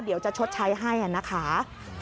เดี๋ยวจะชดใช้ให้นะคะ